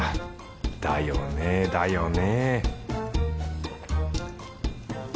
だよねだよね